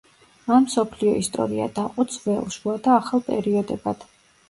მან მსოფლიო ისტორია დაყო ძველ, შუა და ახალ პერიოდებად.